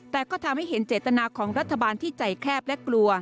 แต่ก็ทำให้เห็นเจตนาของรัฐบาลที่ใจแคบและกลัว